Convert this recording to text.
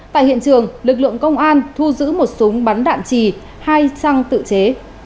tại hiện trường lực lượng công an thu giữ một súng bắn đạn trì hai trang tự chế